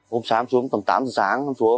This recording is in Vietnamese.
hôm sáng xuống tầm tám giờ sáng